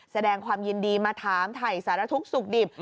แสดงความยินดีมาถามถ่ายสารทุกข์สุขดิบ